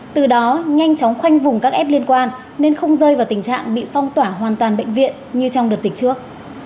từ đó nhanh chóng khoanh vùng các f liên quan nên không rơi vào tình trạng bị phong tỏa hoàn toàn bệnh viện như trong đợt dịch trước